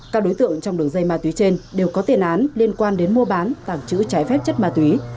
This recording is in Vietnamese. các đối tượng trong đường dây ma túy trên đều có tiền án liên quan đến mua bán tảng chữ trái phép chất ma túy